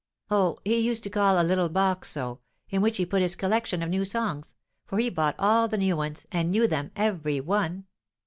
"Oh, he used to call a little box so, in which he put his collection of new songs; for he bought all the new ones, and knew them every one.